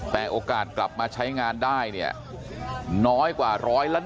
แต่โอกาสกลับมาใช้งานได้เนี่ยน้อยกว่า๑๗